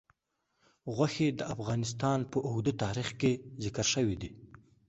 غوښې د افغانستان په اوږده تاریخ کې ذکر شوي دي.